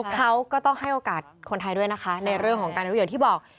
เขาก็ต้องให้โอกาสคนไทยด้วยนะคะในเรื่องของการท่องเที่ยวที่บอก